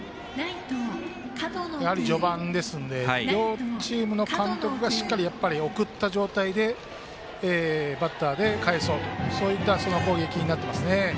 やはり序盤ですので両チームの監督がしっかり送った状態でバッターで返そうという攻撃になってますね。